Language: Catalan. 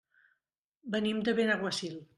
Venim de Benaguasil.